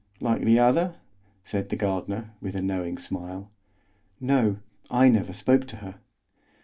"Like the other?" said the gardener, with a knowing smile. "No, I never spoke to her."